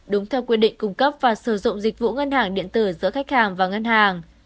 đúng theo quy định cung cấp và sử dụng dịch vụ ngân hàng điện tử giữa khách hàng và ngân hàng